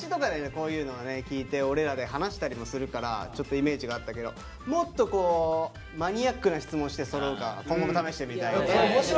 こういうのはね聞いて俺らで話したりもするからちょっとイメージがあったけどもっとこうマニアックな質問してそろうか今後も試してみたい。